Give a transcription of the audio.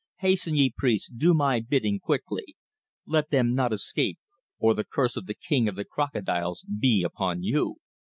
Hasten, ye priests, do my bidding quickly; let them not escape, or the curse of the King of the Crocodiles be upon you."